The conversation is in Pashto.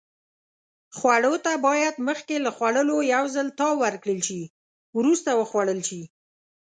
خوړو ته باید مخکې له خوړلو یو ځل تاو ورکړل شي. وروسته وخوړل شي.